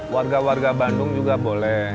warga warga bandung juga boleh